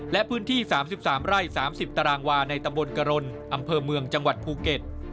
และพื้นที่๓๓ไร่๓๐ตารางวาในตำบลกรณอำเภอเมืองจังหวัดภูเก็ต